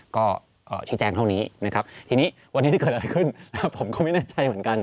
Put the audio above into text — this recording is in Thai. ก็ชี้แจงเท่านี้นะครับทีนี้วันนี้เกิดอะไรขึ้นผมก็ไม่แน่ใจเหมือนกัน